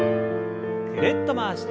ぐるっと回して。